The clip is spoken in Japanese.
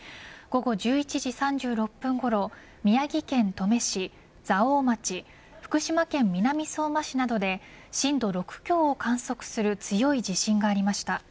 午後１１時３６分ごろ宮城県登米市蔵王町、福島県南相馬市などで震度６強を観測する強い地震がありました。